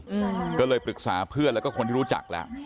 อืมก็เลยปรึกษาเพื่อนแล้วก็คนที่รู้จักแล้ว